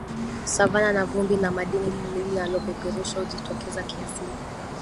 savanna na vumbi la madini linalopeperushwa hujitokeza kiasili